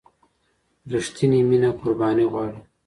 رښتينې مينه قرباني غواړي.